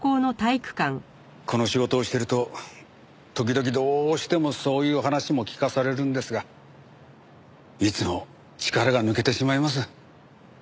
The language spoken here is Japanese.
この仕事をしてると時々どうしてもそういう話も聞かされるんですがいつも力が抜けてしまいます。